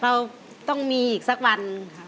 เราต้องมีอีกสักวันค่ะ